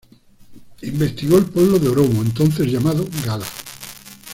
Investigó el pueblo de Oromo, entonces llamado Gala.